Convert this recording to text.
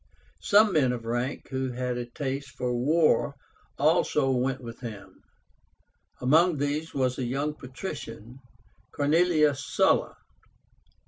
Some men of rank who had a taste for war also went with him. Among these was a young patrician, CORNELIUS SULLA.